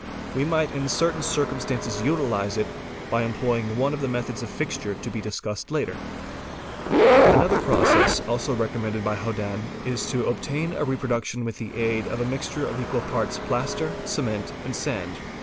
We might in certain circumstances utilise it, by employing one of the methods of fixture to be discussed later. 542 FOOTPRINTS Another process, also recommended by Hodann, is to obtain a repro duction with the aid of a mixture of equal parts of plaster, cement, and sand.